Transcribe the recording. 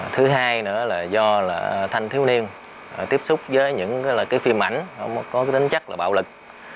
thứ hai nữa là do thanh thiếu niên tiếp xúc với những cái phim ảnh có tính chất là bạo lực